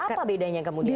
apa bedanya kemudian